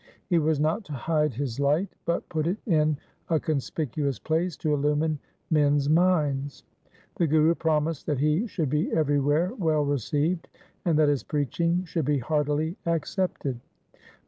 He was not to hide his light, but put it in a conspicuous place to illumine men's minds. The Guru promised that he should be every where well received, and that his preaching should be heartily accepted.